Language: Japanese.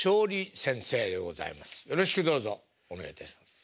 よろしくどうぞお願いいたします。